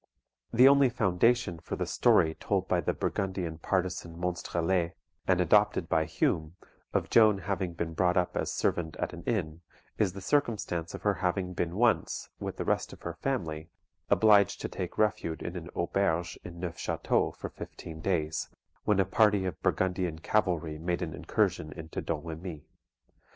The only foundation for the story told by the Burgundian partisan Monstrelet, and adopted by Hume, of Joan having been brought up as servant at an inn, is the circumstance of her having been once, with the rest of her family, obliged to take refuge in an AUBERGE in Neufchateau for fifteen days, when a party of Burgundian cavalry made an incursion into Domremy.